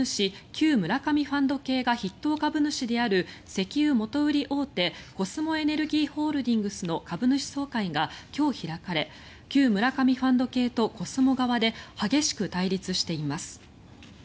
旧村上ファンド系が筆頭株主である石油元売り大手コスモエネルギーホールディングスの株主総会が今日開かれ旧村上ファンド系とコスモ側で激しく対立しています。